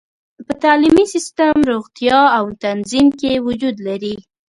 په تعلیمي سیستم، روغتیا او تنظیم کې وجود لري.